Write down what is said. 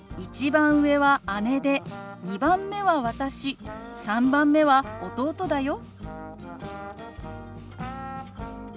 １番上は姉で２番目は私３番目は弟だよ。